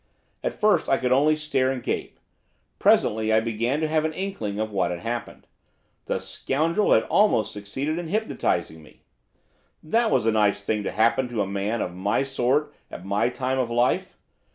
At first I could only stare and gape. Presently I began to have an inkling of what had happened. The scoundrel had almost succeeded in hypnotising me. That was a nice thing to happen to a man of my sort at my time of life.